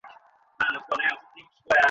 গোলাপ পিঠাগুলো সিরায় ডুবিয়ে উঠিয়ে নিন।